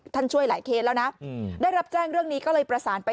ช่วยหลายเคสแล้วนะได้รับแจ้งเรื่องนี้ก็เลยประสานไป